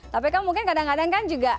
tapi kan mungkin kadang kadang kan juga